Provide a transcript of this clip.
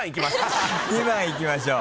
２番いきましょう。